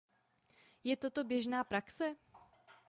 Je toto běžná praxe?